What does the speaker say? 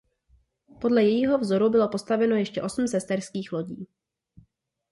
Podle jejího vzoru bylo postaveno ještě osm sesterských lodí.